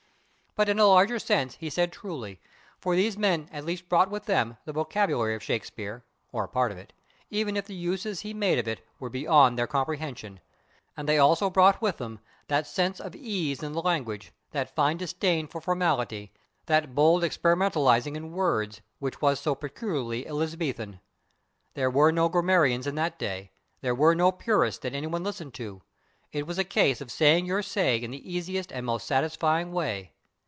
But in a larger sense he said truly, for these men at least brought with them the vocabulary of Shakespeare or a part of it, even if the uses he made of it were beyond their comprehension, and they also brought with [Pg058] them that sense of ease in the language, that fine disdain for formality, that bold experimentalizing in words, which was so peculiarly Elizabethan. There were no grammarians in that day; there were no purists that anyone listened to; it was a case of saying your say in the easiest and most satisfying way.